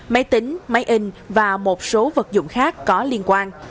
máy tính máy in và một số vật dụng khác có liên quan